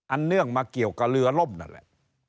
เนื่องมาเกี่ยวกับเรือล่มนั่นแหละ